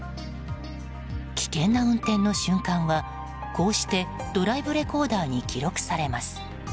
危険な運転の瞬間はこうしてドライブレコーダーに記録されます。